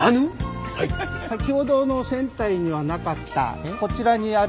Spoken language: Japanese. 先ほどの船体にはなかったこちらにある格子模様。